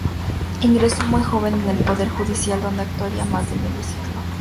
Ingresó muy joven en el Poder Judicial, donde actuaría más de medio siglo.